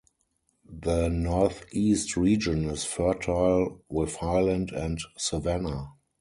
The northeast region is fertile with highland and savannah.